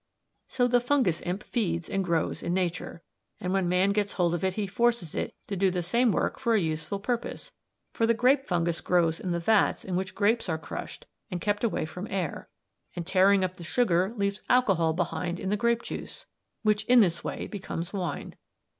"So the fungus imp feeds and grows in nature, and when man gets hold of it he forces it to do the same work for a useful purpose, for the grape fungus grows in the vats in which grapes are crushed and kept away from air, and tearing up the sugar, leaves alcohol behind in the grape juice, which in this way becomes wine.